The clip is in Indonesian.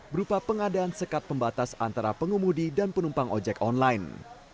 berupa pengadaan sekat pembatas antara pengemudi dan penumpang ojek online